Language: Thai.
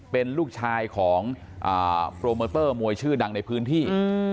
เป็นลูกชายของโปรโมเตอร์มวยชื่อดังในพื้นที่